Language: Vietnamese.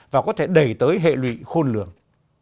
và có thể đẩy tới hệ lụy khôn lường